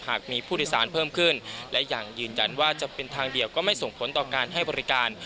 หากมีผู้โดยสารเพิ่มขึ้นและยังยืนยันว่าจะเป็นทางเดียวก็ไม่ส่งผลต่อการให้บริการ